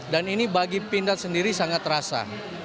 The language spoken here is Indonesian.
dan ini bagi pindad sendiri sangat terasa